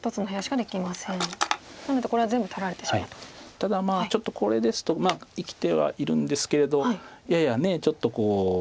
ただちょっとこれですと生きてはいるんですけれどややちょっと。